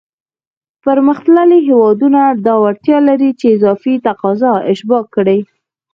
پرمختللی هېوادونه دا وړتیا لري چې اضافي تقاضا اشباع کړي.